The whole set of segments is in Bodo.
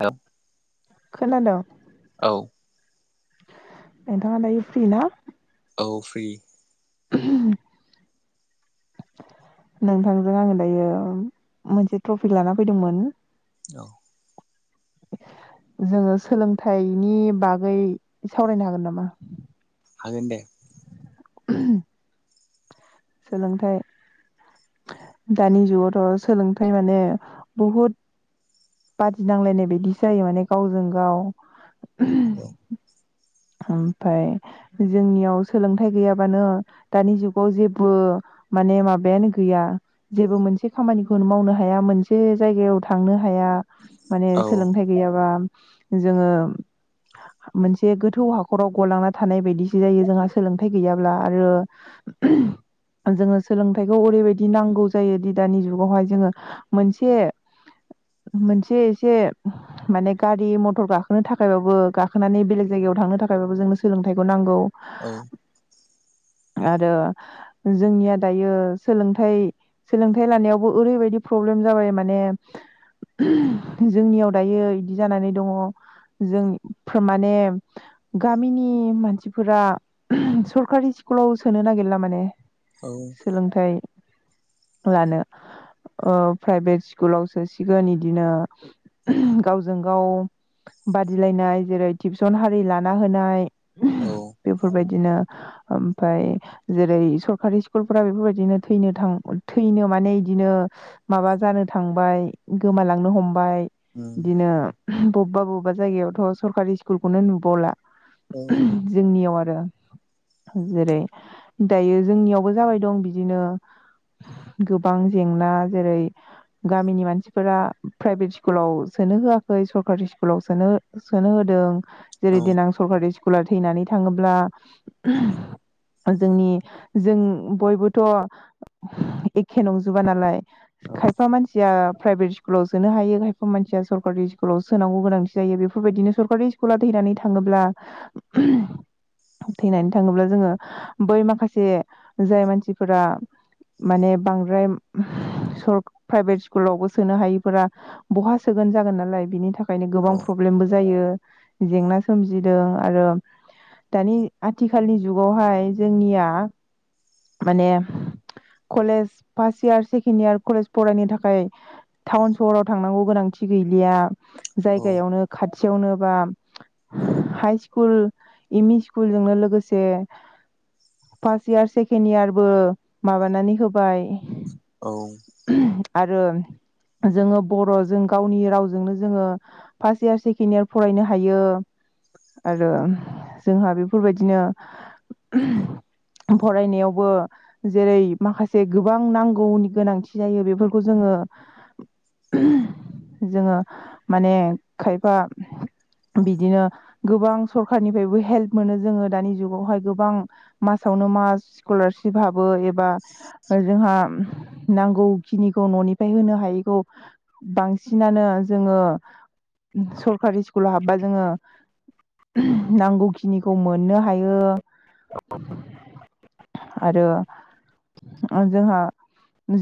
औ खोनादों औ नोंथाङा दायो फ्रि ना औ फ्रि [unintelligible] नोंथांजों आङो दायो मोनसे ट्रफि लाना फैदोंमोन। औ। जोङो सोलोंथाइनि बागै सावरायनो हागोन नामा? हागोन दे [inaudible] सोलोंथाइ दानि जुगावथ सोलोंथाइ माने बहुद बादिनांलायनाय बायदि जायो माने गावजों गाव औ। ओमफाय जोंनियाव सोलोंथाइ गैयाबानो दानि जुगाव जेबो माने माबायानो गैया जेबो मोनसे खामानिखौनो मावनो हाया मोनसे जायगायाव थांनो हाया माने औ सोलोंथाइ गैयाबा जोंङो मोनसे गोथ गो थौ हाखराव गलांना थानाय बायदिसो जायो जोंहा सोलोंथाइ गैयाब्ला आरो जोंङो सोलोंथाइखौ ओरैबायदि नांगौ जायो दि दानि जुगावहाय जोंङो मोनसे मोनसे एसे माने गारि मथर गाखोनो थाखायबाबो गाखोनानै बेलेग जायगायाव थांनो थाखायबाबो जोंनो सोलोंथाइखौ नांगौ। औ। आरो जोंनिया दायो सोलोंथाइ सोलोंथाइ लानायावबो ओरैबायदि प्रब्लेम जाबाय माने जोंनियाव दायो बिदि जानानै दङ जों माने गामिनि मानसिफोरा सरकारि स्कुलाव सोनो नागिरला माने सोलोंथाइ लानो प्राइभेट ओ स्कुलावसो सिगोन इदिनो गावजों गाव बादिलायनाय जेरै टिप्स जन हारि लाना होनाय औ। बिदिनो ओमफाय जेरै सरकारि स्कुलफोरा बेफोरबायदिनो थैनो थां थैनो माने इदिनो माबा जानो थांबाय गोमालांनो हमबाय उम बिदिनो बबेबा बबेबा जायगायावथ सरकारि स्कुलखौनो नुबावला। औ जोंनियाव आरो आरो जेरै दायो जोंनियावबो जाबाय दं बिदिनो गोबां जेंना जेरै गामिनि मानसिफोरा प्राइभेट स्कुलाव सोनो होआखै सरखारि स्कुलाव सोनो सोनो होदों। औ जेरै दिन आं सरकारि स्कुला थैनानै थाङोब्ला जोंनि जों बयबोथ एखे नंजोबा नालाय खायफा मानसिया प्राइभेट स्कुलाव सोनो हायो खायफा मानसिया सरकारि स्कुलाव सोनांगौ गोनांथि जायो बेफोरबायदिनो सरकारि स्कुल स्कुला थैनानै थाङोब्ला थैनानै थाङोब्ला जोंङो बै माखासे जाय मानसिफोरा माने बांद्राय प्राइभेट स्कुलावबो सोनो हायिफोरा बहा सोगोन जागोन नालाय बिनि थाखाय ओंखायनो गोबां प्रब्लेमबो जायो जेंना सोमजिदों आरो दानि आथिखालनि जुगावहाय जोंनिया माने college first year second year college फरायनो थाखाय टाउन सहराव थांनांगौ गोनांथि गैलिया औ जायगायावनो खाथि थियावनो बा हायस्कुल इमि स्कुलजोंनो लोगोसे फार्स इयुन सेकेन सेखेनयारबो माबानानै होबाय औ आरो जोंङो बर जों गावनि रावजोंनो जोंङो फार्स्ट इयार सेकेणड इयार फरायनो हायो आरो जोंहा बेफोरबायदिनो फरायनायावबो जेरै माखासे गोबां नांगौनि गोनांथि जायो बेफोरखौ जोंङो जोंङो माने खायफा बिदिनो गोबां सरखारनिफ्रायबो हेल्प मोनो जोंङो दानि जुगावहाय गोबां मासावनो मास स्कलारशिप हाबो एबा जोंहा नांगौखिनिखौ ननिफ्राय होनो हायैखौ बांसिनानो जोंङो सरखारि स्कुलाव हाबबा जोंङो नांगौ खिनिखौ मोननो हायो आरो जोंहा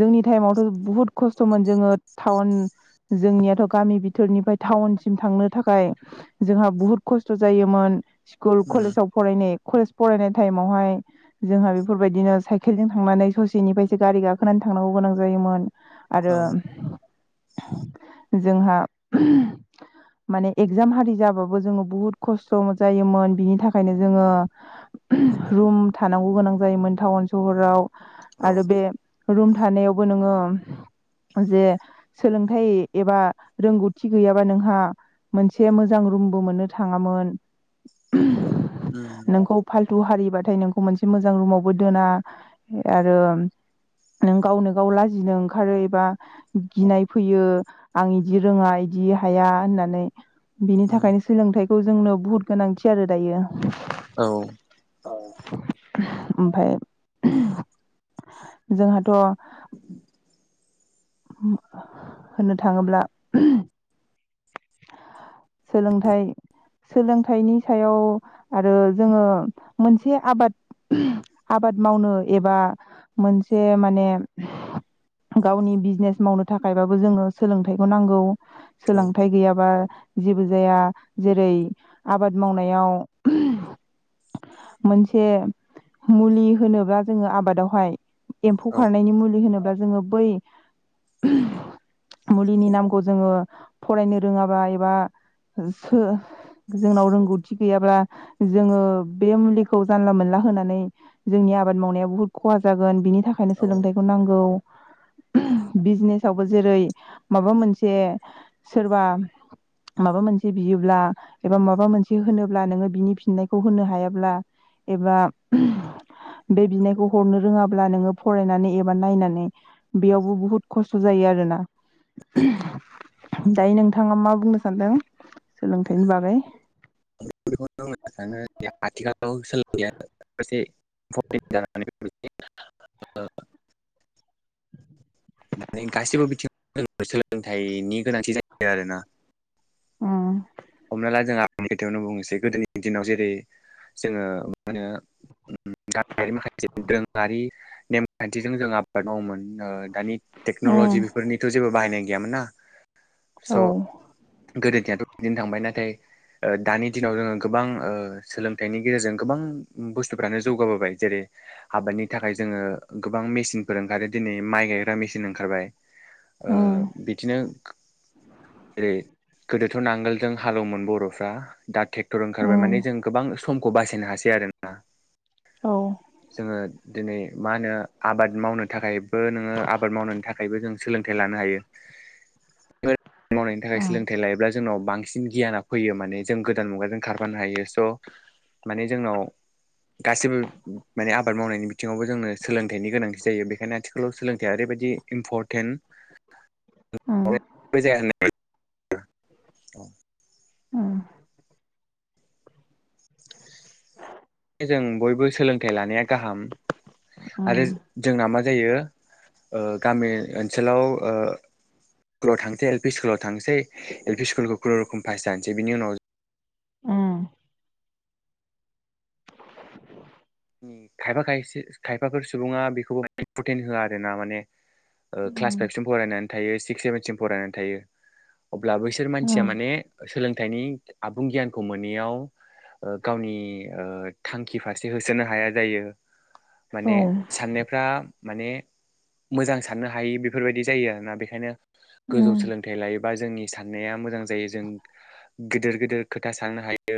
जोंनि टाइमावथ बुहुद खस्थमोन जोंङो टाउन जोंनियाथ गामि बिथोरनिफ्राय टाउनसिम थांनो थाखाय जोंहा बुहुद खस्थ जायोमोन‌ स्कुल उम कलेजाव फरायनाय कलेज फरायनाय टाइमावहाय जोंहा बेफोरबायदिनो साइकेलजों थांनानै ससेनिफ्रायसो गारि गाखोनानै थांनांगौ गोनां जायोमोन। औ आरो जोंहा माने इकजाम हारि जाबाबो जोङो बुहुत खस्थ' जायोमोन। बिनि थाखायनो जोङो रुम थानांगौ गोनां जायोमोन टाउन सहराव। औ आरो बे रुम थानायावबो नोङो जे सोलोंथाइ एबा रोंगौथि गैयाबा नोंहा मोनसे मोजां रुमबो मोननो थाङामोन। उम नोंखौ फाल थु हारिबाथाय नों खौ मोनसे मोजां रुमावबो दोना आरो नों गावनो गाव लाजिनो ओंखारो एबा गिनाय फैयो आं इदि रोङा इदि हाया होननानै। बिनि उम थाखायनो सोलोंथाइखौ जोंनो बुहुत गोनांथि आरो दायो। औ। औ। ओमफाय जोंहाथ' [inaudible] होननो थाङोब्ला सोलोंथाइ सोलोंथाइनि सायाव आरो जोङो मोनसे आबाद आबाद मावनो एबा मोनसे माने गावनि बिजनेस मावनो थाखायबाबो जोंनो सोलों थाइखौ नांगौ। औ सोलों थाइ गैयाबा जेबो जाया जेरै आबाद मावनायाव मोनसे मुलि होनोबा जोङो आबादावहाय एम्फौ औ खारनायनि मुलि होनोबा जोङो बै मुलिनि नामखौ जोङो फरायनो रोङाबा एबा जो जोंनाव रोंगौथि गैयाब्ला जोङो बे मुलिखौ जानला मोनला होनानै जोंनि आबाद मावनाया बुहुद खहा जागोन। बिनि थाखायनो सोलोंथाइखौ नांगौ। बिजनेसावबो जेरै माबा मोनसे सोरबा माबा मोनसे बियोब्ला एबा माबा मोनसे होनोब्ला नोङो बिनि फिननायखौ होनो हायाब्ला एबा बे बिनायखौ हरनो रोङाब्ला नोङो फरायनानै एबा नायनानै बेयावबो बुहुद खस्थ' जायो आरो ना। दायो नोंथाङा मा बुंनो सानदों सोलोंथाइनि बागै। बेखौनो बुंनो सानो [unintelligible] गासैबो बिथिङाव सोलोंथाइनि गोनांथि जायो आरोना उम। हमना ला [unintelligible] आंनि खोथायावनो बुंनोसै गोदोनि दिनाव जेरै जोङो मा होनो [unintelligible] माखासे दोरोङारि नेम खान्थिजों जों आबाद मावोमोन ओ दानि टेक्न'लजि उम बेफोरनिथ' जेबो बाहायनाय गैयामोन ना औ। गोदो [unintelligible] दिन थांबाय नाथाय दानि दिनाव जोङो गोबां सोलोंथाइनि गेजेरजों गोबां बुस्थुफ्रानो जौगाबोबाय जेरै हाबादनि थाखाय जोङो गोबां मेसिनफोर ओंखारो दिनै माइ गायग्रा मेसिन ओंखारबाय ओ उम बिदिनो जेरै गोदो नांगालोलजों हालौवोमोन बर'फ्रा दा टे क्टर ओंखारबाय माने उम जों गोबां समखौ बासायनो हासै आरो ना औ जोङो दिनै मा होनो आबाद मावनो थाखायबो नोङो आबाद मावनो थाखायबो जों सोलोंथाइ लानो हायो। बेफोर मावनायनि थाखाय उम सोलोंथाइ लायोब्ला जोंनाव बांसिन गियाना फैयो माने जों गोदान मुगाजों खारफानो हायो। स' माने जोंनाव गासिबो माने आबाद मावनायनि बिथिङावबो जोंनो सोलोंथाइनि गोनांथि जायो बेनिखायनो आथिखालाव सोलोंथाइआ ओरैबायदि इम्परटेन्ट उम [unintelligible] [inaudible] औ अ जों बयबो सोलोंथाइ लानाया गाहाम। आरो उम जोंना मा जायो ओ गामि ओ-ओनसोलाव ओ स्कुलाव थांसै एल पि स्कुलाव थांसै एल पि स्कुलखौ खुनुरुखुम पास जानोसै बिनि उनाव उम खायफा खायसे खायफाफोर सुबुङा बेखौबो इम्परटेन्ट होआ आरो ना माने ओ क्लास उम फाइभसिम फरायना थायो सिक्स सेभेनसिम फरायनानै थायो। अब्ला बैसोर मानसिया उम माने सोलोंथाइनि आबुं गियानखौ मोनैयाव ओ गावनि ओ थांखि फारसे हो सोनो हाया जायो। माने औ साननायफ्रा माने मोजां साननो हायि बेफोरबायदि जायो आरोना। बेखायनो गोजौ उम सोलोंथाइ लायो बा जोंनि साननाया मोजां जायो जों गिदिर गिदिर खोथा साननो हायो।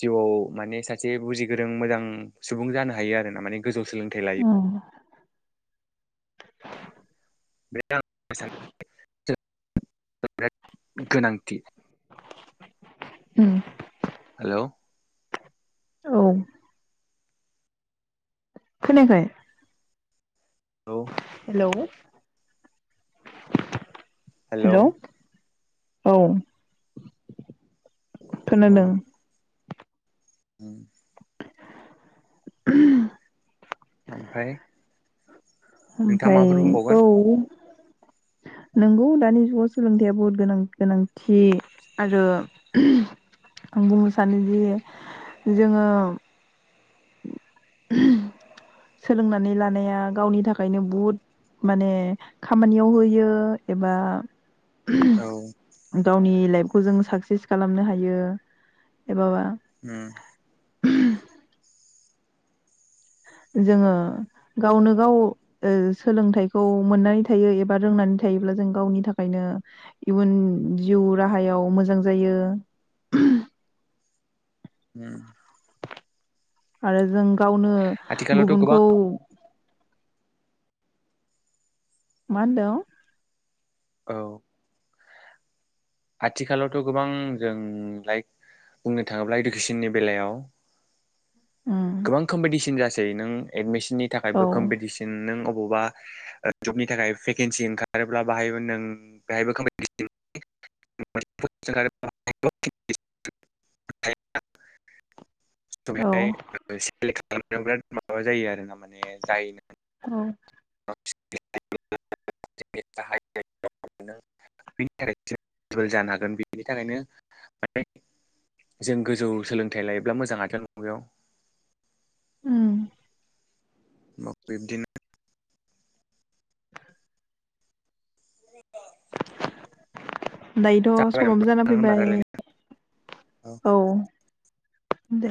जिउआव माने सासे बुजि गोरों मोजां सुबुं जानो हायो आरो ना माने गोजौ सोलोंथाइ लायो उम [unintelligible] उम हेलौ औ खोनायाखै? औ हेलौ हेलौ औ खोनादों ओं [unintelligible] ओमफ्राय नोंथाङा ओमफ्राय माबाफोर औ बुंबावगोन नोंगौ दानि जुगाव सोलोंथाइया बहुत गोनां गोनांथि आरो आं बुंनो सानोदि जोङो उम सोलोंनानै लानाया गावनि थाखायनो बहुद माने खामानियाव होयो एबा औ लाइफ खौ जों साकसेस खालामनो हायो एबाबा उम [unintelligible] जोङो गावनो गाव ओ सोलोंथाइखौ मोननानै थायो एबा रोंनानै थायोब्ला जों गावनि थाखायनो इयुन जिउ राहायाव मोजां जायो। उम आरो जों गावनो आथिखालावथ' गोबां गुबुनखौ मा होनदों? औ आथिखालावथ' गोबां जों लाइक बुंनो थाङोब्ला इदुकेसननि बेलायाव उम गोबां कम्पिदिसोन जासै नों एदमिस नि औ थाखायबो कम्पिदिसोन नों अब बबा ओ जबनि थाखाय भेकेन्सि ओंखारोब्ला बाहाय नों बेहायबो कम्पिदिसोन [unintelligible] औ सेलेक खालामनायाव बिराद माबा जायो आरो ना माने जायनो औ [unintelligible] जानो हागोन बेनि थाखायनो माने जों गोजौ सोलोंथाइ लायोब्ला मोजां आथोन बेयाव उम अ बिब्दिनो दायोथ' जाबाय नामा समाबो जाना नोंथां होनबा फैबाय रायलायनाया औ दे